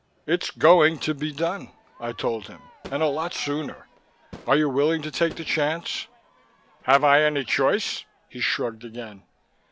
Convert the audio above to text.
"It's going to be done," I told him. "And a lot sooner. Are you willing to take the chance?" "Have I any choice?" He shrugged again.